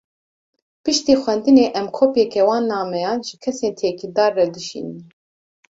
Piştî xwendinê, em kopyeke wan nameyan, ji kesên têkildar re dişînin